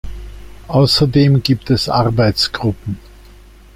Außerdem gibt es Arbeitsgruppen.